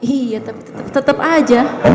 iya tetap tetap aja